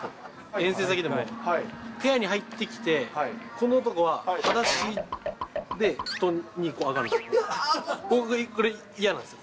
遠征先とかで、部屋に入ってきて、この男は裸足で布団に上がるんですよ。